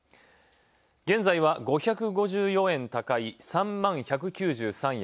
現在は５５４円高い３万１９３円。